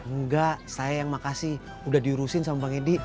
enggak saya yang makasih udah diurusin sama bang edi